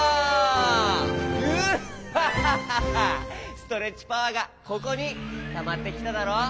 ストレッチパワーがここにたまってきただろ！